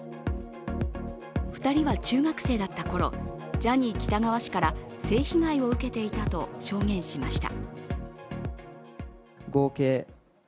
２人は中学生だった頃、ジャニー喜多川氏から性被害を受けていたと証言しました。